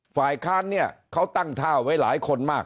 ฝ่ายค้านเนี่ยเขาตั้งท่าไว้หลายคนมาก